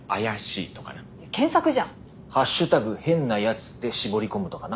ハッシュタグ変なやつで絞り込むとかな。